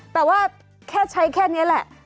แต่ว่าแค่ใช้แค่นี้แหละ